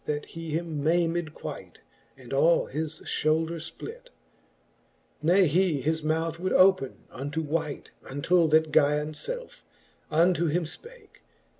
That he him maymed quite, and all his fhoulder fplit. XXXIV. Ne he his mouth would open unto wight, Untill that Gujon ielfe unto him fpake.